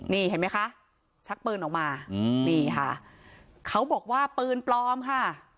นี่เห็นไหมคะชักปืนออกมานี่ค่ะเขาบอกว่าปืนปลอมค่ะ